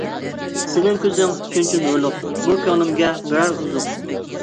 سېنىڭ كۆزۈڭ شۇنچە نۇرلۇق، بۇ كۆڭلۈمگە بېرەر ئوزۇق.